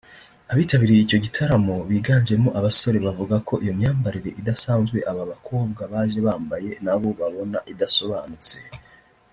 Abitabiriye icyo gitaramo biganjemo abasore bavuga ko iyo myambarire idasanzwe abo bakobwa baje bambaye nabo babona idasobanutse